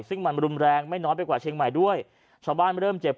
ซึ่งมันรุนแรงไม่น้อยไปกว่าเชียงใหม่ด้วยชาวบ้านเริ่มเจ็บ